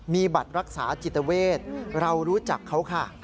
มีบัตรรักษาจิตเวทเรารู้จักเขาค่ะ